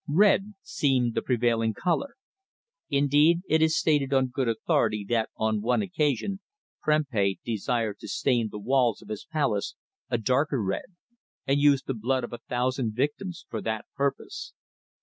Red seemed the prevailing colour. Indeed it is stated on good authority that on one occasion Prempeh desired to stain the walls of his palace a darker red, and used the blood of a thousand victims for that purpose.